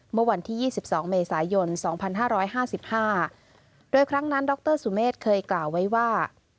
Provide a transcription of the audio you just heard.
เมื่อวันที่๒๒เมษายน๒๕๕๕โดยครั้งนั้นดรสุเมฆเคยกล่าวไว้ว่า